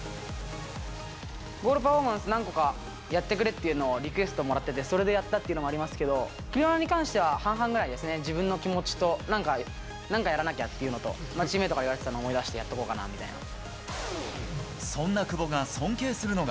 ゴールパフォーマンス何個かやってくれっていうのをリクエストもらってて、それでやったっていうのもありますけど、ロナウドに関しては半々ぐらいですね、自分の気持ちと、なんかやらなきゃっていうのと、チームメートから言われたのを思い出してそんな久保が尊敬するのが。